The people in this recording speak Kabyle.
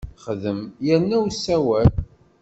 Xdem yerna ur ssawal!